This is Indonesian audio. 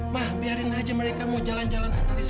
ma biarin aja mereka mau jalan jalan sekaligus